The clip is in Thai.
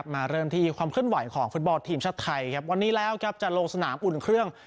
มาเริ่มที่ความเคลื่อนไหวของฟุตบอลทีมชาติไทยครับวันนี้แล้วครับจะลงสนามอุ่นเครื่อง